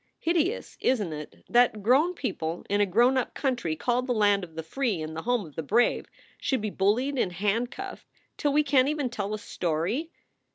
Hideous, isn t it, that grown people in a grown up country called the land of the free and the home of the brave should be bullied and handcuffed till we can t even tell a story?